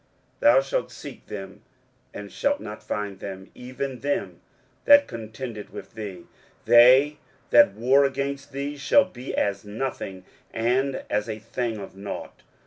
23:041:012 Thou shalt seek them, and shalt not find them, even them that contended with thee: they that war against thee shall be as nothing, and as a thing of nought.